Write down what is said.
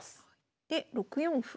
で６四歩。